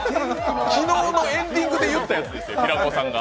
昨日のエンディングで言ったやつですよ、平子さんが。